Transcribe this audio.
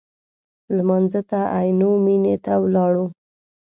لمانځه ته عینومېنې ته ولاړو.